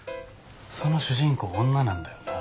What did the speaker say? その主人公女なんだよな。